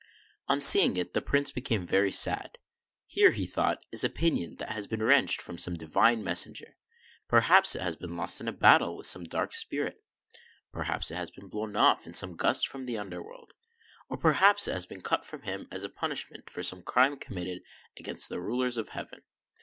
On seeing it, the Prince became very sad. " Here," he thought, " is a pinion that has been wrenched from some divine messenger. Perhaps it has been lost in a battle with some dark spirit, perhaps it has been blown off in some gust from the Underworld, or perhaps it has been cut from him as a punishment for some crime committed against the rulers of heaven.